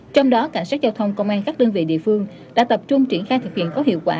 trong đó cảnh sát giao thông công an các đơn vị địa phương đã tập trung triển khai thực hiện có hiệu quả